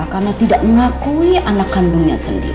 karena tidak mengakui anak kandungnya sendiri